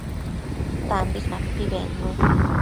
Tambis mapi bednu